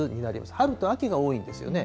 春と秋が多いんですよね。